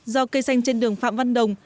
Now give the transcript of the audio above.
do cây xanh trên đường phạm văn đồng